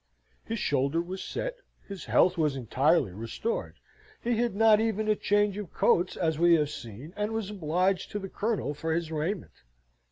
His shoulder was set: his health was entirely restored: he had not even a change of coats, as we have seen, and was obliged to the Colonel for his raiment.